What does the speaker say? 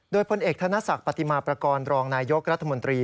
โดยพลเอกธนศักดิ์ปฏิมาประกอบรองนายยกรัฐมนตรี